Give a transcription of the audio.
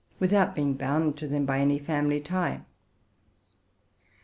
without being bound to them by any family tie.